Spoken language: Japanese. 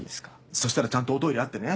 そしたらちゃんとおトイレあってね。